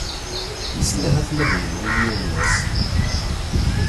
Wissen ahat m'ad d-nemlil yiwen wass?